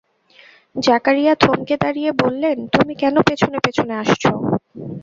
জাকারিয়া থমকে দাঁড়িয়ে বললেন, তুমি কেন পেছনে পেছনে আসছ?